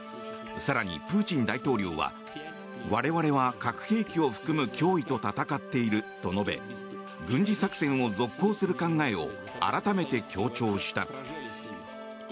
更に、プーチン大統領は我々は核兵器を含む脅威と戦っていると述べ軍事作戦を続行する考えを改めて強調した。